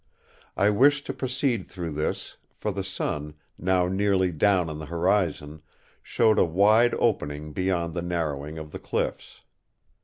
I wished to proceed through this; for the sun, now nearly down on the horizon, showed a wide opening beyond the narrowing of the cliffs.